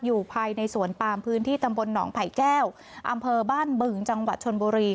อยู่ภายในสวนปามพื้นที่ตำบลหนองไผ่แก้วอำเภอบ้านบึงจังหวัดชนบุรี